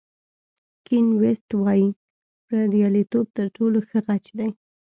کین ویست وایي بریالیتوب تر ټولو ښه غچ دی.